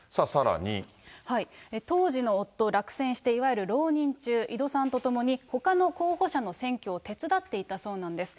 当時の夫、落選して浪人中、井戸さんと共にほかの候補者の選挙を手伝っていたそうなんです。